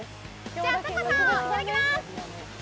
じゃあ、たこさんをいただきます。